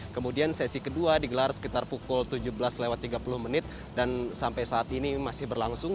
kemudian sesi kedua digelar sekitar pukul tujuh belas lewat tiga puluh menit dan sampai saat ini masih berlangsung